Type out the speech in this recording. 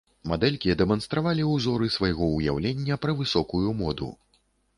Мадэлькі дэманстравалі ўзоры свайго ўяўлення пра высокую моду.